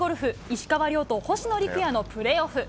石川遼と星野陸也のプレーオフ。